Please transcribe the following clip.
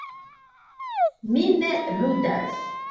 Mi ne ludas.